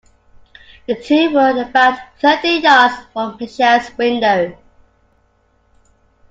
The two were about thirty yards from Mitchell's window.